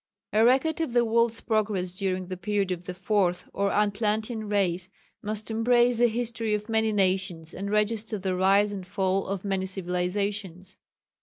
A record of the world's progress during the period of the Fourth or Atlantean Race must embrace the history of many nations, and register the rise and fall of many civilizations.